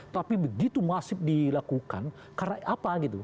tapi begitu masif dilakukan karena apa gitu